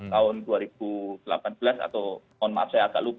tahun dua ribu delapan belas atau mohon maaf saya agak lupa